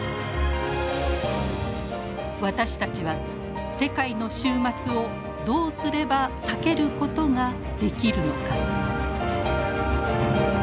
私たちは世界の終末をどうすれば避けることができるのか。